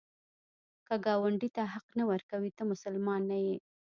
که ګاونډي ته حق نه ورکوې، ته مسلمان نه یې